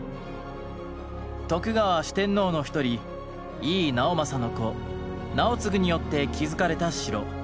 徳川四天王の一人井伊直政の子直継によって築かれた城。